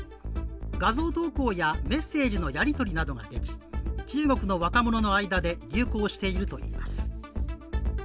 画像投稿やメッセージのやり取りなどができ中国の若者の間で流行しているといいます。